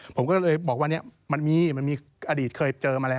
ผมก็เลยบอกว่าเนี่ยมันมีมันมีอดีตเคยเจอมาแล้ว